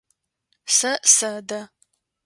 Сэ сэдэ.